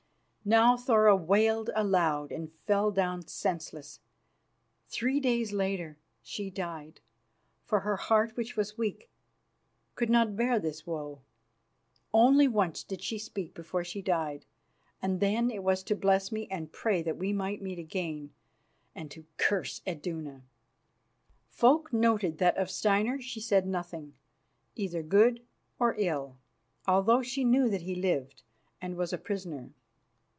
Now Thora wailed aloud and fell down senseless. Three days later she died, for her heart, which was weak, could not bear this woe. Once only did she speak before she died, and then it was to bless me and pray that we might meet again, and to curse Iduna. Folk noted that of Steinar she said nothing, either good or ill, although she knew that he lived and was a prisoner.